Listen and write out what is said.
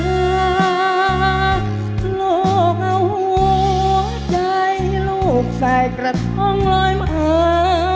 ลูกเอาหัวใจลูกใส่กระทงรอยมา